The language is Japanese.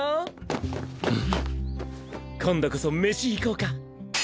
今度こそ飯行こうか。